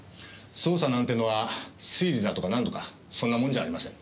捜査なんてのは推理だとかなんとかそんなもんじゃありません。